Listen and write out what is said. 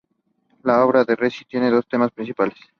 La obra de Resnick tiene dos temas principales.